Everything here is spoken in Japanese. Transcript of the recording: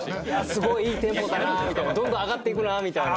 すごいいいテンポだなどんどん上がっていくなみたいな。